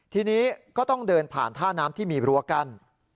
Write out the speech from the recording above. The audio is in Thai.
ทีนี้ก็ต้องเดินผ่านท่าน้ำที่มีรั้วกั้น